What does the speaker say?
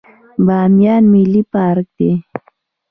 بامیان ملي پارک دی